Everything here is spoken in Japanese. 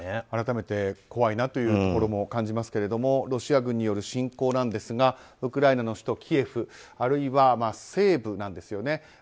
改めて怖いなというところも感じますがロシア軍による侵攻なんですがウクライナの首都キエフあるいは西部なんですよね。